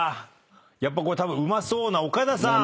やっぱこれうまそうな岡田さん。